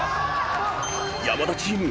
［山田チーム